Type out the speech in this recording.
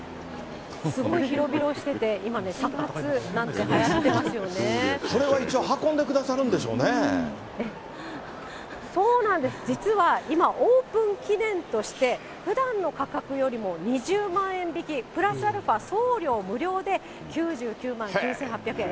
すごい広々してて、今ね、これは一応運んでくださるんそうなんです、実は今、オープン記念として、ふだんの価格よりも２０万円引きプラスアルファ送料無料で９９万９８００円。